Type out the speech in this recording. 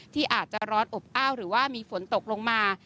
ที่อาจจะร้อนอบอ้าวหรือว่ามีฝนตกลงมา